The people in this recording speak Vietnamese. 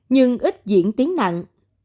nhưng ít diễn tiến nặng